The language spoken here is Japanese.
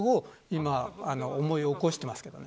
今、思い起こしています。